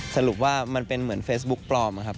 สรุปว่ามันเป็นเหมือนเฟซบุ๊กปลอมครับ